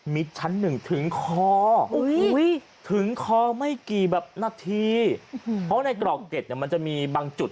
ชั้นหนึ่งถึงคอถึงคอไม่กี่แบบนาทีเพราะในกรอกเก็ดเนี่ยมันจะมีบางจุด